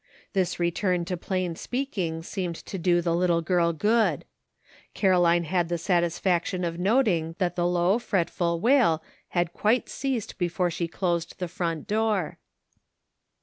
This return to plain speaking seemed to do the little girl good ; Caroline had the satis faction of noting that the low fretful wail had quite ceased before she closed the front door.